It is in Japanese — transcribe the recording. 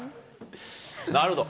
なるほど。